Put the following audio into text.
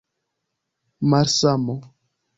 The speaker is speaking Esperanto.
malsamo